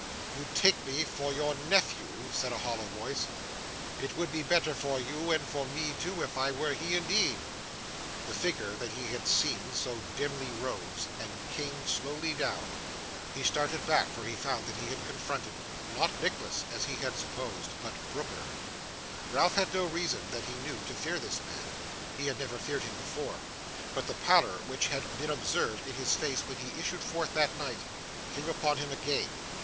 'You take me for your nephew,' said a hollow voice; 'it would be better for you, and for me too, if I were he indeed.' The figure that he had seen so dimly, rose, and came slowly down. He started back, for he found that he confronted not Nicholas, as he had supposed, but Brooker. Ralph had no reason, that he knew, to fear this man; he had never feared him before; but the pallor which had been observed in his face when he issued forth that night, came upon him again.